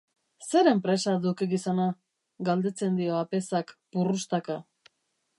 Zeren presa duk, gizona?, galdetzen dio Apezak purrustaka.